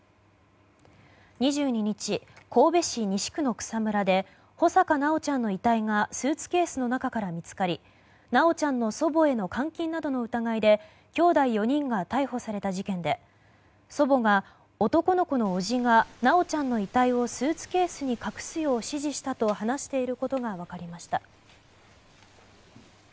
２２日、神戸市西区の草むらで穂坂修ちゃんの遺体がスーツケースの中から見つかり修ちゃんの祖母への監禁などの疑いできょうだい４人が逮捕された事件で祖母が、男の子の叔父が修ちゃんの遺体をスーツケースに隠すよう指示したと話していることが分かりました。